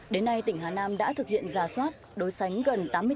đến nay tỉnh hà nam đã thực hiện ra số thẻ an sinh xã hội